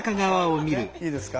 いいですか？